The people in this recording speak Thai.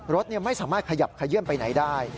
รถไม่สามารถขยับขยื่นไปไหนได้